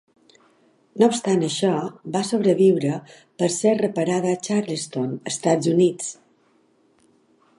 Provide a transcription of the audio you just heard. No obstant això, va sobreviure per ser reparada a Charleston, Estats Units.